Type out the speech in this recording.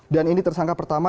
dan ini tersangka pertama